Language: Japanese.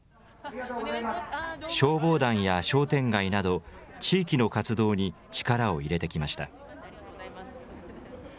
消防団や商店街など地域の活動に力を入れてきました。